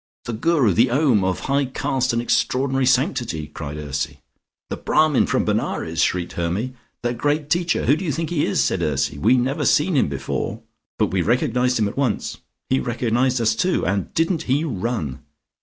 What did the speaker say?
"The Guru: the Om, of high caste and extraordinary sanctity," cried Ursy. "The Brahmin from Benares," shrieked Hermy. "The great Teacher! Who do you think he is?" said Ursy. "We never seen him before " "But we recognised him at once " "He recognised us, too, and didn't he run?